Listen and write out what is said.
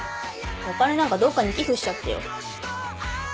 お金なんかどっかに寄付しちゃってよ。